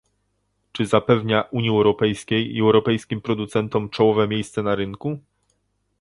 Czy zapewnia Unii Europejskiej i europejskim producentom czołowe miejsce na rynku?